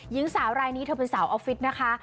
หญิงสาวรายนี้เธอเป็นสาวออฟฟิศนะคะ